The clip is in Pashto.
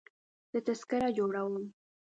زه تذکره جوړوم.